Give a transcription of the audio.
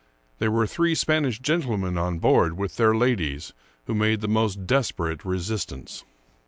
There were three Spanish gentlemen on board, with their ladies, who made the most desperate resistance.